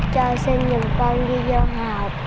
cho sinh dùm con đi vô học